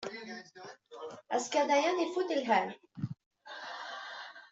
Azekka dayen ifut lḥal.